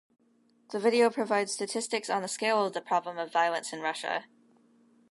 The video provides statistics on the scale of the problem of violence in Russia.